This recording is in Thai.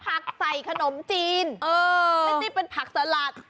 ผักใส่ขนมจีนไม่เป็นผักสลัด